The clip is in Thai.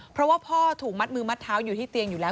เพราะว่าพ่อถูกมัดมือมัดเท้าอยู่ที่เตียงอยู่แล้ว